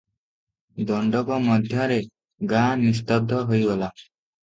ଦଣ୍ତକ ମଧ୍ୟରେ ଗାଁ ନିସ୍ତବ୍ଧ ହୋଇଗଲା ।